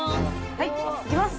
はいいきます。